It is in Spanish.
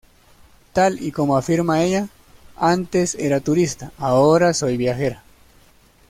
Tal y como afirma ella, "antes era turista, ahora soy viajera".